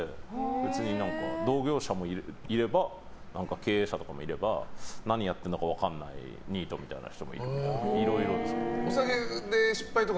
別に同業者もいれば経営者とかもいれば何やってるのか分からないニートみたいな人もいてお酒で失敗とかは？